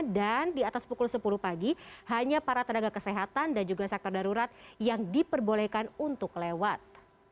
dan di atas pukul sepuluh pagi hanya para tenaga kesehatan dan juga sektor darurat yang diperbolehkan untuk lewat